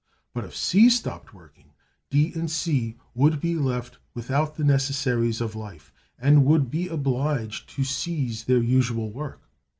But, if C stopped working, D and C would be left without the necessaries of life, and would be obliged to cease their usual work.